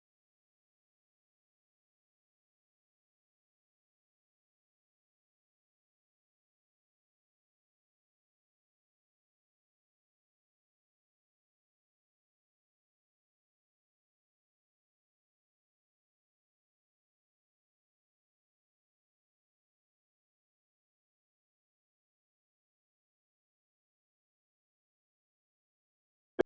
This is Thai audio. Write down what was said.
โปรดติดตามต่อไป